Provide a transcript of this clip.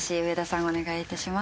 お願いいたします。